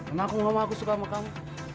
emang aku tidak sama aku suka sama kamu